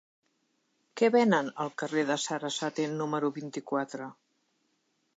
Què venen al carrer de Sarasate número vint-i-quatre?